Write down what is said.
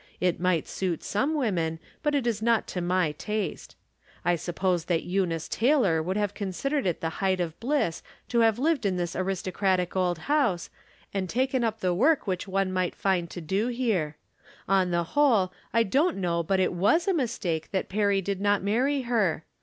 It might suit some women, but it is not to my taste. I suppose that Eunice 318 From Different Standpoints. Taylor would have considered it the height of bliss to have lived in this aristocratic old house, and taken up the work which one might find to do here. On the whole, I don't know but it was a mistake that Perry did not marry her.